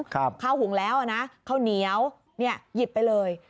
ข้าวหุงแล้วอ่ะนะข้าวเหนียวเนี่ยหยิบไปเลย